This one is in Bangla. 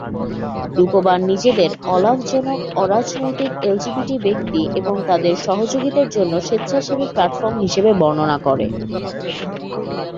রূপবান নিজেদের "অলাভজনক, অ-রাজনৈতিক, এলজিবিটি ব্যক্তি এবং তাদের সহযোগীদের জন্য স্বেচ্ছাসেবী প্ল্যাটফর্ম" হিসাবে বর্ণনা করে।